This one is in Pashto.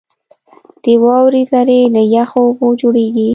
• د واورې ذرې له یخو اوبو جوړېږي.